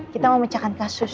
kita mau mecahkan kasus